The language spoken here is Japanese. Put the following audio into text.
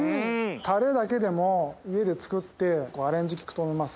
タレだけでも家で作ってアレンジ利くと思います。